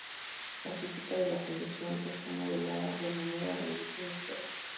La física de la conducción está modelada de manera realista en el juego.